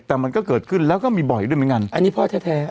แต่มันก็เกิดขึ้นแล้วก็มีบ่อยด้วยเหมือนกันอันนี้พ่อแท้แท้